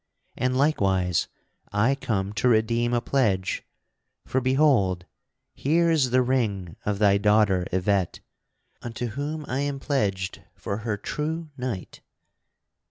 And likewise I come to redeem a pledge, for, behold, here is the ring of thy daughter Yvette, unto whom I am pledged for her true knight.